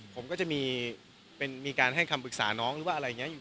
ผมก็จะมีการให้คำปรึกษาน้องหรือว่าอะไรอย่างนี้อยู่